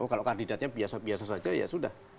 kalau kandidatnya biasa biasa saja ya sudah